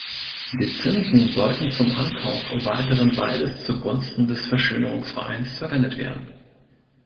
Die Zinsen sollten zum Ankauf weiteren Waldes zugunsten des Verschönerungsvereins verwendet werden.